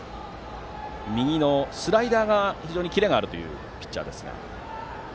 右のスライダーが非常にキレがあるピッチャーです。